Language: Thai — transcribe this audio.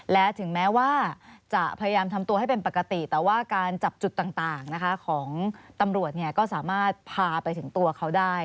และถึงแม้ว่าจะพยายามทำตัวให้เป็นปกติแต่ว่าการจับจุดต่างของตำรวจก็สามารถพาไปถึงตัวเขาได้